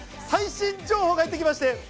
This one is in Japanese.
最新情報が入ってきました。